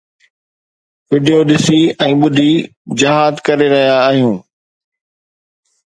video ڏسي ۽ ٻڌي جهاد ڪري رهيا آهيو